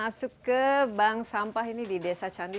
masuk ke bank sampah ini di desa candi